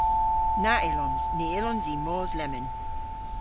Na yllons. Ny yllons i mos lemmyn.